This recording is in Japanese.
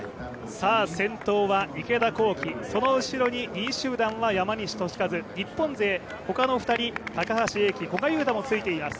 先頭は池田向希、その後ろに２位集団は山西利和、日本勢他の２人、高橋英輝古賀友太もついています。